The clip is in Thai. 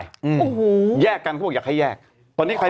ไม่ที่ผ่านมาเขาก็ไม่ดีดใช่ไหม